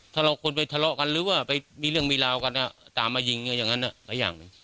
ถ้าเราควรไปทะเลาะกันหรือว่าไปมีเรื่องมีราวกันตามมายิงอย่างนั้นหลายอย่างหนึ่ง